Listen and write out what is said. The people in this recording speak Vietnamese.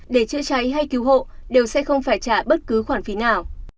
để chữa cháy hay cứu hộ đều sẽ không phải trả bất cứ khoản phí nào